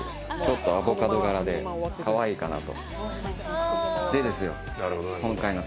アボカド柄でかわいいかなと。